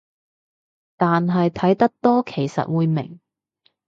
但係睇得多其實會明